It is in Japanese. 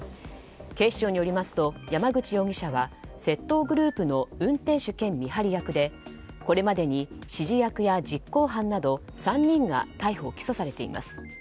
警視庁によりますと山口容疑者は窃盗グループの運転手兼見張り役でこれまでに指示役や実行犯など３人が逮捕・起訴されています。